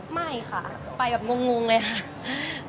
ไม่ค่ะไปแบบงงเลยค่ะ